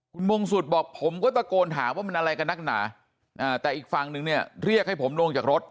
คุณมงสุดบอกผมก็ตะโกนถามว่ามันอะไรกับนักหนาแต่อีกฝั่งนึงเนี่ยเรียกให้ผมลงจากรถ